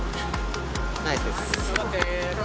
ナイスです。